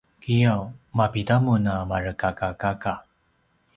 giyaw: mapida mun a marekakakaka?